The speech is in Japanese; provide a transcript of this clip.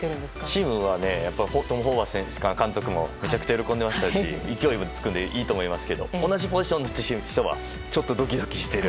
チームはトム・ホーバス監督もめちゃめちゃ喜んでいましたし勢いもつくのでいいと思いますけど同じポジションの人はちょっとドキドキしている。